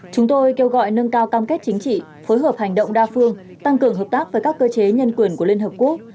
chúng tôi kêu gọi nâng cao cam kết chính trị phối hợp hành động đa phương tăng cường hợp tác với các cơ chế nhân quyền của liên hợp quốc